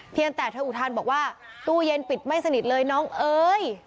แต่เธออุทานบอกว่าตู้เย็นปิดไม่สนิทเลยน้องเอ้ย